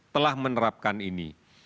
telah menerapkan ini